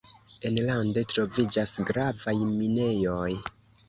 Enlande troviĝas gravaj minejoj.